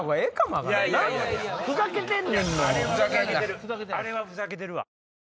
あれはふざけてるわ。